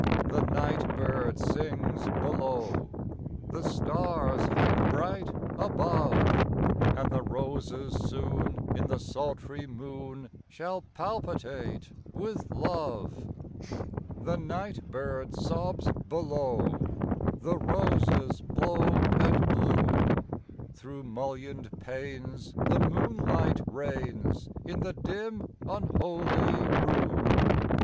The nightbird sings below; The stars hang bright above; And the roses soon in the sultry moon Shall palpitate with love. The nightbird sobs below; The roses blow and bloom; Through mullioned panes the moonlight rains In the dim, unholy room.